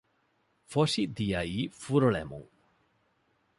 ފޮށި ދިޔައީ ފުރޮޅެމުން